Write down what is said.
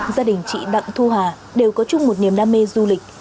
gia đình chị đặng thu hà đều có chung một niềm đam mê du lịch